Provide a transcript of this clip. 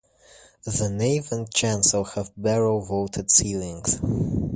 The nave and chancel have barrel vaulted ceilings.